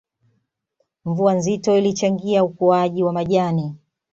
Mvua nzito ilichangia ukuaji wa majani